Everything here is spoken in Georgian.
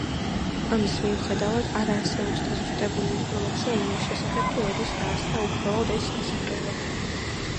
ამის მიუხედავად, არ არსებობს დაზუსტებული ინფორმაცია იმის შესახებ, თუ როდის დაარსდა უშუალოდ ეს დასახლება.